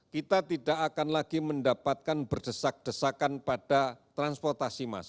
kita tidak akan lagi mendapatkan berdesak desakan pada transportasi massa